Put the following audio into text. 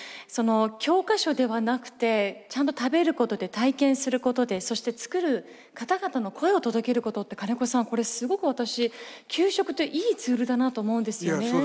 その教科書ではなくてちゃんと食べることで体験することでそして作る方々の声を届けることって金子さんこれすごく私給食っていいツールだなと思うんですよね。